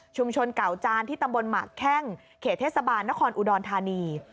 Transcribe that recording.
เก่าจานที่ตำบลหมากแข้งเขตเทศบาลนครอุดรธานี